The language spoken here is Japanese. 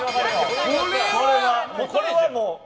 これはもう。